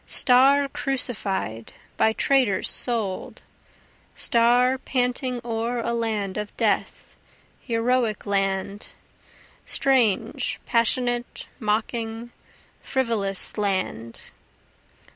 Star crucified by traitors sold, Star panting o'er a land of death, heroic land, Strange, passionate, mocking, frivolous land.